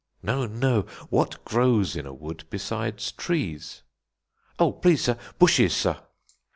"No; no; what grows in a wood besides trees?" "Oh, please, sir, bushes, sir."